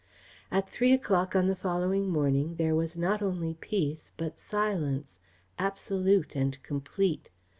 At three o'clock on the following morning there was not only peace but silence, absolute and complete.